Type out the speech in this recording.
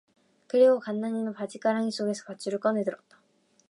그리고 간난이는 바짓가랑이 속에서 밧줄을 꺼내 들었다.